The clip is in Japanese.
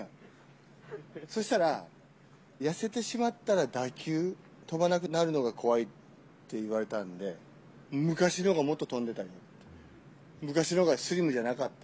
そしたら、痩せてしまったら打球飛ばなくなるのが怖いっていわれたんで、昔のほうがもっと飛んでたよ、昔のがスリムじゃなかった？